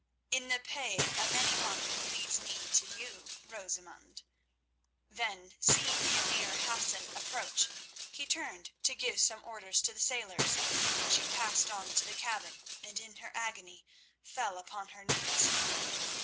"In the pay of anyone who leads me to you, Rosamund." Then, seeing the emir Hassan approach, he turned to give some orders to the sailors, and she passed on to the cabin and in her agony fell upon her knees.